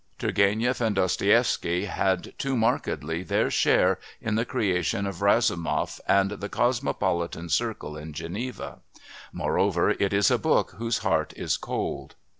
Turgéniev and Dostoievsky had too markedly their share in the creation of Razumov and the cosmopolitan circle in Geneva. Moreover, it is a book whose heart is cold.